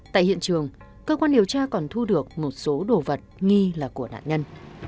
tại hiện trường cơ quan điều tra còn thu được một số đồ vật nghi là của nạn nhân